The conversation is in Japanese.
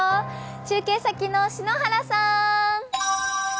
中継先の篠原さん。